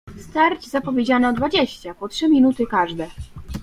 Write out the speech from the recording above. "Starć zapowiedziano dwadzieścia po trzy minuty każde."